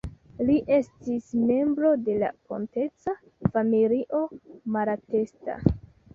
Li estis membro de la potenca familio Malatesta.